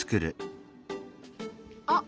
あっ！